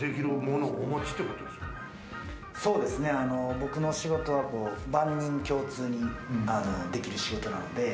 僕の仕事は万人共通にできる仕事なので。